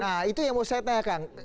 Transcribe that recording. nah itu yang mau saya tanyakan